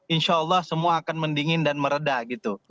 insya allah semua akan mendingin dan meredah gitu